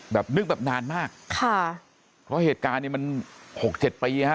แบบนึกแบบนานมากค่ะเพราะเหตุการณ์นี้มันหกเจ็ดปีฮะ